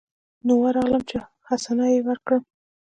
نو ورغلم چې حسنه يې وركړم.